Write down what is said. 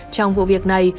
trong vụ việc này